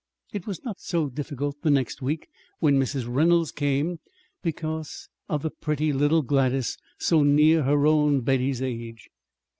It was not so difficult the next week when Mrs. Reynolds came, perhaps because of the pretty little Gladys, so near her own Betty's age.